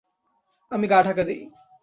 আমি গা ঢাকা দেই।